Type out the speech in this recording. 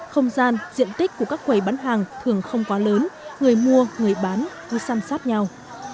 không gian diện tích của các quầy bán hàng thường không quá lớn người mua người bán cứ xăm sát nhau